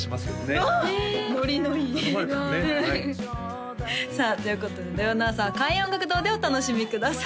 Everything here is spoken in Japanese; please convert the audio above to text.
おおっノリのいい頼まれたらねうんさあということで土曜の朝は開運音楽堂でお楽しみください